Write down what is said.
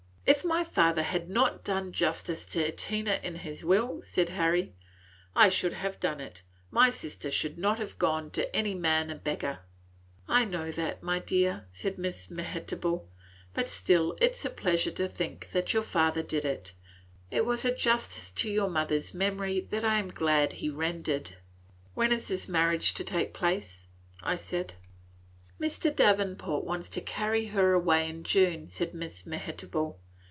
"If my father had not done justice to Tina in his will," said Harry, "I should have done it. My sister should not have gone to any man a beggar." "I know that, my dear," said Miss Mehitable, "but still it is a pleasure to think that your father did it. It was a justice to your mother's memory that I am glad he rendered." And when is this marriage to take place?" said I. "Mr. Davenport wants to carry her away in June," said Miss Mehitable.